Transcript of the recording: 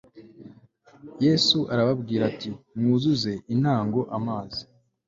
yesu arababwira ati “mwuzuze intango amazi